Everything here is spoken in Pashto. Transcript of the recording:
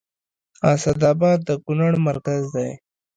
اسداباد د کونړ مرکز دی